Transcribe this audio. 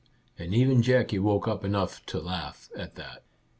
And even Jackie woke up enough to laugh at that